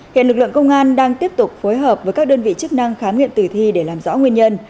hiện lực lượng công an đang tiếp tục phối hợp với các đơn vị chức năng khám nghiệm tử thi để làm rõ nguyên nhân